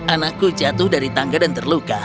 anakku jatuh dari tangga dan terluka